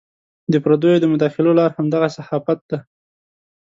د پردیو د مداخلو لار همدغه صحافت دی.